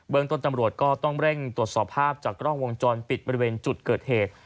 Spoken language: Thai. ต้นตำรวจก็ต้องเร่งตรวจสอบภาพจากกล้องวงจรปิดบริเวณจุดเกิดเหตุ